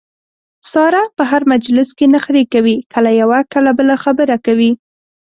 ساره په هر مجلس کې نخرې کوي کله یوه کله بله خبره کوي.